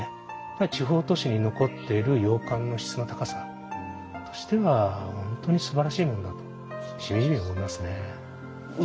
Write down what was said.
地方都市に残っている洋館の質の高さとしては本当にすばらしいものだとしみじみ思いますね。